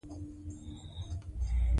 د واک چلند د ولس باور اغېزمنوي